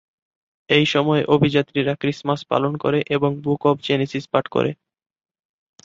এই সময়ে অভিযাত্রীরা ক্রিসমাস পালন করে এবং বুক অফ জেনেসিস পাঠ করে।